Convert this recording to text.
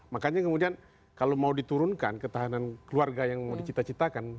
makanya kemudian kalau mau diturunkan ketahanan keluarga yang mau dicita citakan